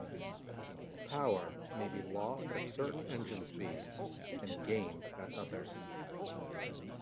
Power may be lost at certain engine speeds and gained at others.